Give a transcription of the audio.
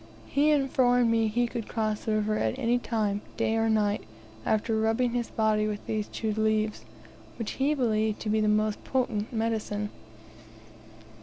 He informed me he could cross the river at any time, day or night, after rubbing his body with these chewed leaves, which he believed to be a most potent medicine.